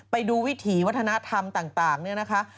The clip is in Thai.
ไปดูวิถีวัฒนธรรมต่างเนี่ยนะคะ